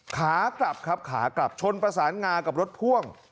ขากลับครับขากลับชนประสานงากับรถพ่วง